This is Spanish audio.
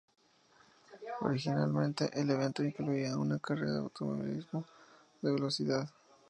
Originalmente, el evento incluía una carrera de automovilismo de velocidad.